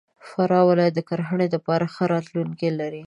د فراه ولایت د کرهنې دپاره ښه راتلونکی لري.